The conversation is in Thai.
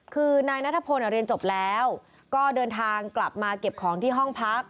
คือนายนัทพลเรียนจบแล้วก็เดินทางกลับมาเก็บของที่ห้องพัก